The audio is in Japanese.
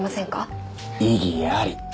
異議あり。